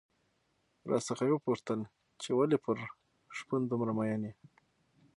راڅخه یې وپوښتل چې ولې پر شپون دومره مين يې؟